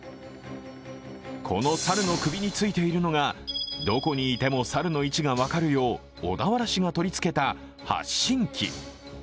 この猿の首についているのが、どこにいても猿の位置が分かるよう小田原市が取り付けた発信器。